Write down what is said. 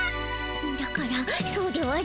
だからそうではのうて。